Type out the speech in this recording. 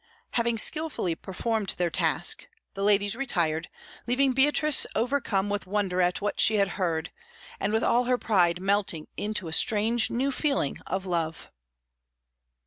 Having skilfully performed their task, the ladies retired, leaving Beatrice overcome with wonder at what she had heard, and with all her pride melting into a strange new feeling of love.